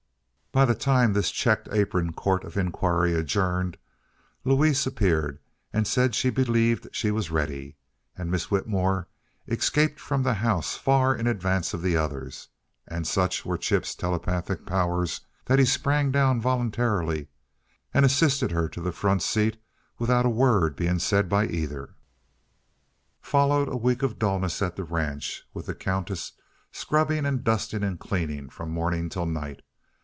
By the time this checked apron court of inquiry adjourned, Louise appeared and said she believed she was ready, and Miss Whitmore escaped from the house far in advance of the others and such were Chip's telepathic powers that he sprang down voluntarily and assisted her to the front seat without a word being said by either. Followed a week of dullness at the ranch, with the Countess scrubbing and dusting and cleaning from morning till night.